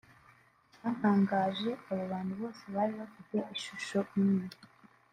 Icyantangaje abo bantu bose bari bafite ishusho imwe